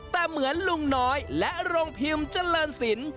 แต่เหมือนลุงน้อยและโรงพิมพ์เจริญศิลป์